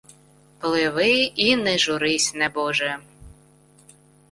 Пливи і не журись, небоже!